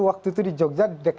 waktu itu di jogja